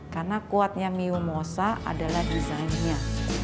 karena kuatnya miu mosa adalah desainnya